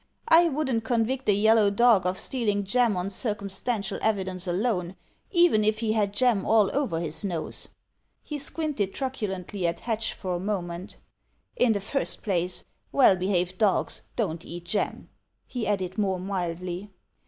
"I wouldn't convict a yellow dog of stealing jam on dtcumstantial evidence alone, even if he had jam all over his nose." He squinted truculently at Hatch for a moment. "In the first place, well behaved dogs don't eat jam," he added more mildly.